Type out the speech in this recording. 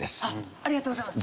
ありがとうございます。